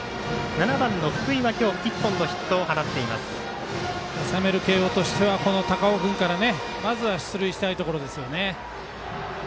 ７番の福井は、今日１本の攻める慶応としてはこの高尾君からまずは出塁したいところですね。